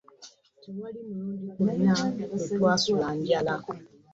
Tewali mulundi gwonna lwe twasula njala.